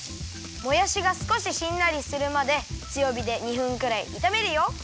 もやしがすこししんなりするまでつよびで２分くらいいためるよ。